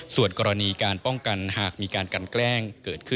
ส่วนกรณีการป้องกันหากมีการกันแกล้งเกิดขึ้น